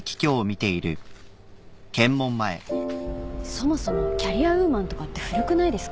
そもそもキャリアウーマンとかって古くないですか？